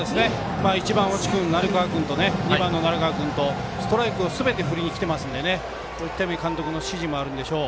１番、越智君２番の鳴川君とストライクをすべて振りにきてますのでそういった意味で監督の指示もあるんでしょう。